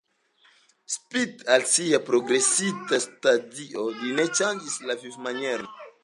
Spite al sia progresinta stadio li ne ŝanĝis la vivmanieron.